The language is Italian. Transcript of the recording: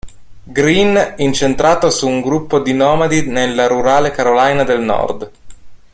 Green, incentrato su un gruppo di nomadi nella rurale Carolina del Nord.